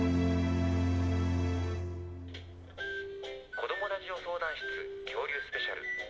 「子どもラジオ相談室恐竜スペシャル。